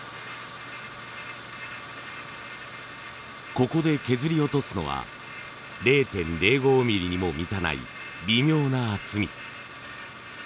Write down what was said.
ここで削り落とすのは０．０５ミリにも満たない微妙な厚み。